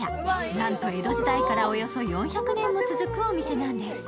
なんと江戸時代からおよそ４００年も続くお店なんです。